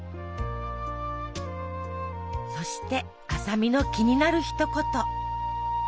そして麻美の気になるひと言。